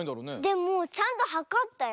でもちゃんとはかったよ。